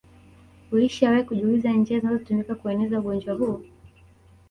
ulishawahi kujiuliza njia zinazotumika kueneza ugonjwa huu